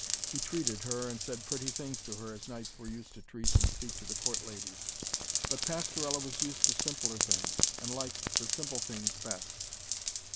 He treated her and said pretty things to her as knights were used to treat and to speak to the court ladies. But Pastorella was used to simpler things, and liked the simple things best.